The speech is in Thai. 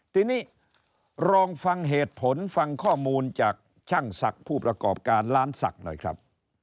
ทีนี้ลองฟังเหตุผลฟังข้อมูลจากช่างศักดิ์ผู้ประกอบการร้านศักดิ์หน่อยครับ